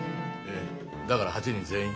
えだから８人全員。